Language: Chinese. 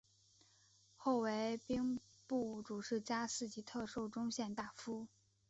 后为兵部主事加四级特授中宪大夫。